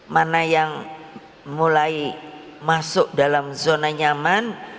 mana yang mulai masuk dalam zona nyaman